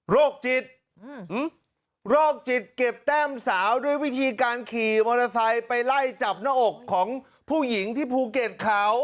โรคจิตโรคจิตเก็บแต้มสาวด้วยวิธีการขี่มอเตอร์ไซค์ไปไล่จับหน้าอกของผู้หญิงที่ภูเก็ตเขา